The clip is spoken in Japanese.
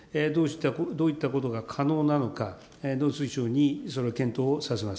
どういったことが可能なのか、農水省にそれは検討をさせます。